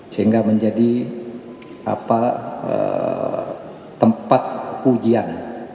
sehingga menjadi tempat ujian